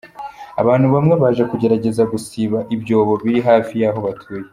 Abantu bamwe baje kugerageza gusiba ibyobo biri hafi y’aho batuye.